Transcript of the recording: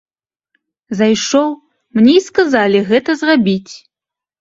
Зайшоў, мне і сказалі гэта зрабіць.